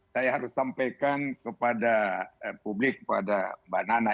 saya harus sampaikan kepada publik kepada mbak nana